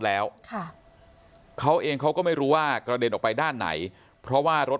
แล้วค่ะเขาเองเขาก็ไม่รู้ว่ากระเด็นออกไปด้านไหนเพราะว่ารถ